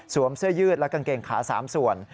เสื้อยืดและกางเกงขา๓ส่วน